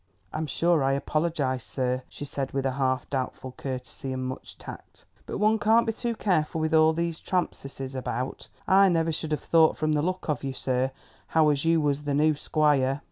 "I'm sure I apologise, sir," she said with a half doubtful courtesy and much tact, "but one can't be too careful with all these trampseses about; I never should have thought from the look of you, sir, how as you was the new squire."